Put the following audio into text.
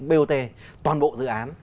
bot toàn bộ dự án